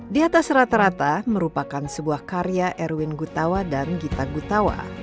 di atas rata rata merupakan sebuah karya erwin gutawa dan gita gutawa